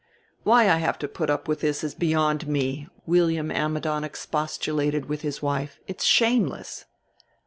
"Why I have to put up with this is beyond me," William Ammidon expostulated with his wife. "It's shameless."